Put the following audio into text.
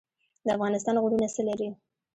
د افغانستان غرونه څه لري؟